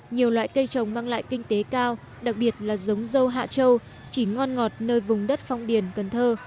nhiều loại cây trồng mang lại kinh tế cao đặc biệt là giống dâu hạ trâu chỉ ngon ngọt nơi vùng đất phong điền cần thơ